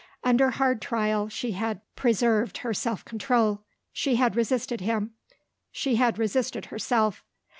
Under hard trial, she had preserved her self control. She had resisted him; she had resisted herself.